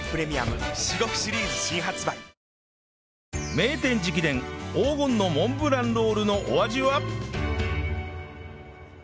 名店直伝黄金のモンブランロールのお味は？